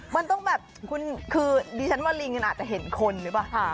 มันต้องแบบคุณคือดิฉันว่าลิงอาจจะเห็นคนหรือเปล่า